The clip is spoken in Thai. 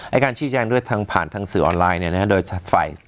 ไอ้การชี้แจงด้วยทางผ่านทางสื่อออนไลน์เนี่ยนะครับโดยฝ่าย